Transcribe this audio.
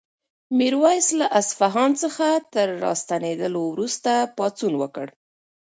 میرویس له اصفهان څخه تر راستنېدلو وروسته پاڅون وکړ.